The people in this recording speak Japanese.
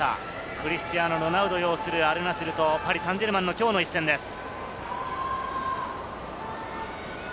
クリスティアーノ・ロナウド擁するアルナスルとパリ・サンジェルマンのきょうの一戦です。